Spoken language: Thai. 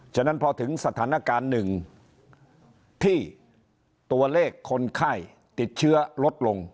ฉะนั้นพอถึงสถานการณ์หนึ่งที่ตัวเลขคนไข้ติดเชื้อลดลง